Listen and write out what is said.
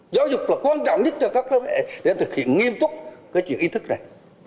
giáo dục là quan trọng nhất cho các mẹ để thực hiện nghiêm túc cái chuyện ý thức này